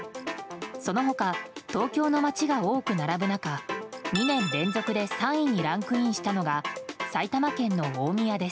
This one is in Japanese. その他、東京の街が多く並ぶ中２年連続で３位にランクインしたのが埼玉県の大宮です。